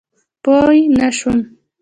پوی نه شوم.